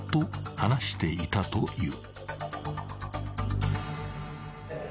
話していたという］